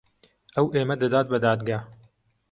ئەو ئێمە دەدات بە دادگا.